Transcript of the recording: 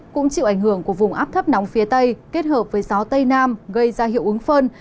cũng chịu ảnh hưởng của vùng áp thấp nóng phía tây kết hợp với gió tây nam gây ra hiệu ứng phơn